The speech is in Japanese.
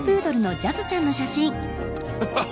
ハハハ。